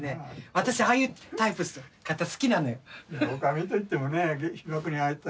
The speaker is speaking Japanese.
私ああいうタイプの方好きなのよ。